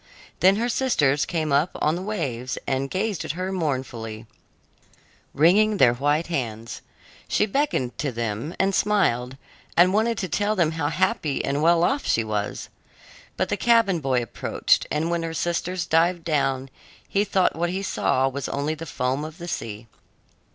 Then her sisters came up on the waves and gazed at her mournfully, wringing their white hands. She beckoned to them, and smiled, and wanted to tell them how happy and well off she was. But the cabin boy approached, and when her sisters dived down, he thought what he saw was only the foam of the sea.